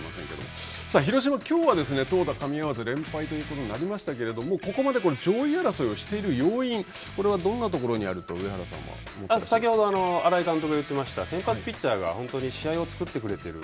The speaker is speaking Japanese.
広島、きょうは投打かみ合わず連敗ということになりましたけれどもここまで上位争いをしている要因、これはどんなところにあると先ほど新井監督が言ってましたが、先発ピッチャーが本当に試合を作ってくれている。